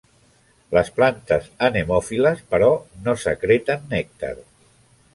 Les plantes anemòfiles, però, no secreten nèctar.